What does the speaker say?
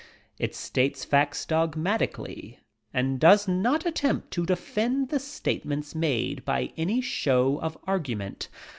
It states facts dogmatically, and does not attempt to defend the statements made by any show of argument.